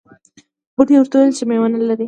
بوټي ورته وویل چې میوه نه لرې.